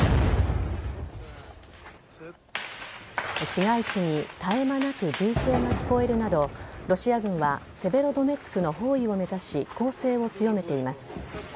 市街地に絶え間なく銃声が聞こえるなどロシア軍はセベロドネツクの包囲を目指し攻勢を強めています。